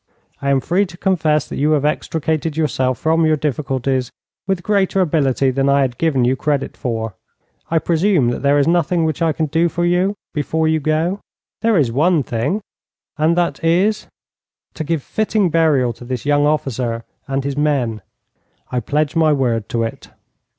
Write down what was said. I am free to confess that you have extricated yourself from your difficulties with greater ability than I had given you credit for. I presume that there is nothing which I can do for you before you go?' 'There is one thing.' 'And that is?' 'To give fitting burial to this young officer and his men.' 'I pledge my word to it.'